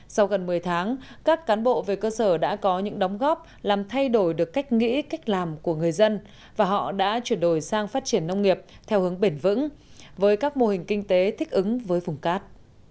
sau gần một mươi tháng các cán bộ về cơ sở đã có những đóng góp làm thay đổi được cách nghĩ cách làm của người dân và họ đã chuyển đổi sang phát triển nông nghiệp theo hướng bền vững với các mô hình kinh tế thích ứng với vùng cát